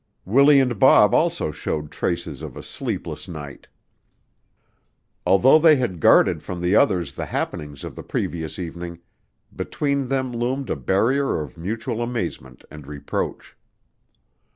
Willie and Bob also showed traces of a sleepless night. Although they had guarded from the others the happenings of the previous evening, between them loomed a barrier of mutual amazement and reproach.